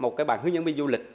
một bạn hướng dẫn với du lịch